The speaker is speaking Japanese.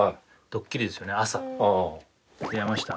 ドッキリですよね朝。